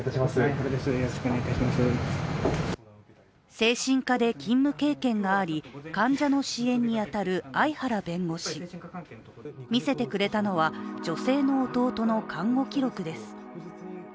精神科で勤務経験があり、患者の支援に当たる相原弁護士。見せてくれたのは、女性の弟の看護記録です。